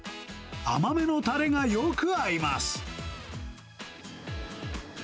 甘めのたれがよく合います。